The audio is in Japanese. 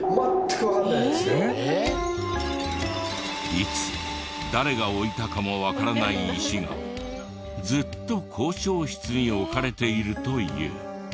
いつ誰が置いたかもわからない石がずっと校長室に置かれているという。